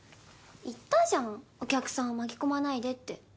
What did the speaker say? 言ったじゃんお客さんを巻き込まないでって。